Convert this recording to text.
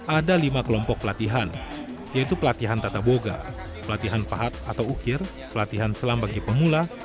ada lima kelompok pelatihan yaitu pelatihan tata boga pelatihan pahat atau ukir pelatihan selam bagi pemula